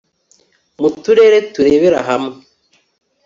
mu turere turebera hamwe